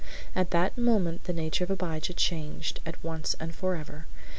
At that moment the nature of Abijah changed, at once and forever.